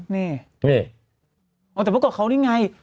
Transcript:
นี่นี่อ๋อแต่พกว่าเขานี่ไง